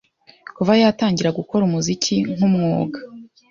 Kuva yatangira gukora umuziki nk’umwuga,